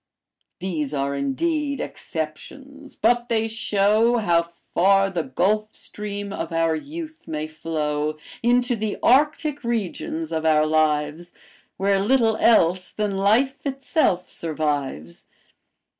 These are indeed exceptions; but they show How far the gulf stream of our youth may flow Into the Arctic regions of our lives, Where little else than life itself survives.